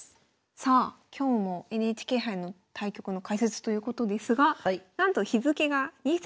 さあ今日もＮＨＫ杯の対局の解説ということですがはい。